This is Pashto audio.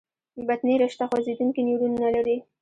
بطني رشته خوځېدونکي نیورونونه لري.